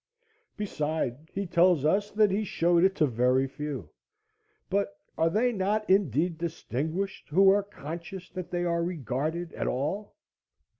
Beside, he tells us that he showed it to very few. But are they not indeed distinguished who are conscious that they are regarded at all?